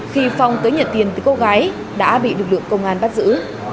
khi phong tới nhận tiền từ cô gái đã bị lực lượng công an bắt giữ